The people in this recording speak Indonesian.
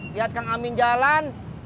lihat kang amin jalan